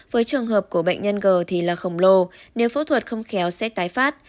với trường hợp của bệnh nhân g thì là khổng lồ nếu phẫu thuật không khéo sẽ tái phát